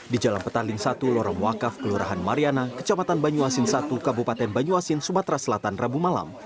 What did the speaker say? di jalan petaling satu lorong wakaf kelurahan mariana kecamatan banyuasin satu kabupaten banyuasin sumatera selatan rabu malam